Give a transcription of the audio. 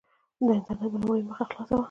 د انټرنېټ په لومړۍ مخ خلاصه وه.